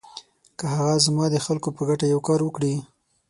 که هغه زما د خلکو په ګټه یو کار وکړي.